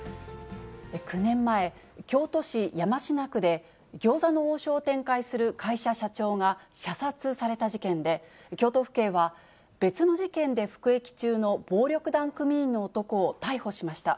９年前、京都市山科区で、餃子の王将を展開する会社社長が、射殺された事件で、京都府警は別の事件で服役中の暴力団組員の男を逮捕しました。